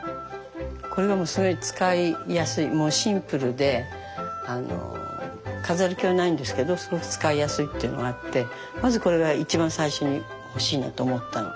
これがすごい使いやすいもうシンプルで飾り気はないんですけどすごく使いやすいっていうのがあってまずこれが一番最初に欲しいなと思ったの。